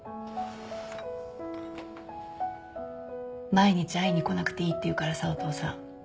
毎日会いに来なくていいって言うからさお父さん。